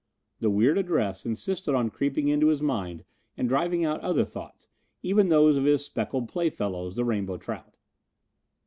The weird address insisted on creeping into his mind and driving out other thoughts, even those of his speckled playfellows, the rainbow trout.